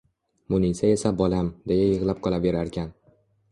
Munisa esa Bolam, deya yig`lab qolaverarkan